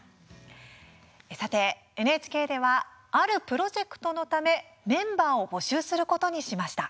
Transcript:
さて、ＮＨＫではあるプロジェクトのためメンバーを募集することにしました。